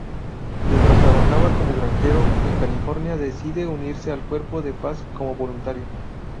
Mientras trabajaba como granjero en California, decidió unirse al Cuerpo de Paz como voluntario.